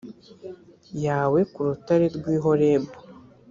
yawe ku rutare rw’i horebu